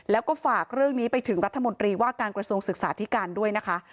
แล้วก็ฝากเรื่องนี้ไปถึงรัฐมนตรีว่าการกระทรวงศึกษาธิการด้วยนะคะ